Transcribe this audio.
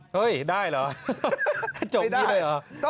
เฮ้ยได้เหรอจบนี้เลยเหรอ